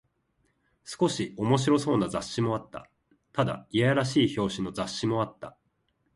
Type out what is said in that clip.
少し面白そうな雑誌もあった。ただ、いやらしい表紙の雑誌もあった。